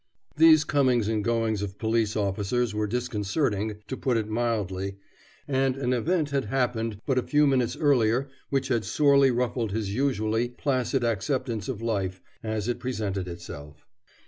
These comings and goings of police officers were disconcerting, to put it mildly, and an event had happened but a few minutes earlier which had sorely ruffled his usually placid acceptance of life as it presented itself.